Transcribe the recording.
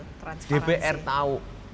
transparansi ya dpr tahu